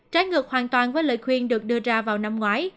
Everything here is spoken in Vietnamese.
trái ngược hoàn toàn với lời khuyên được đưa ra vào năm ngoái